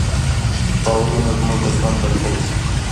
باورونه زموږ د ژوند بنسټ دی.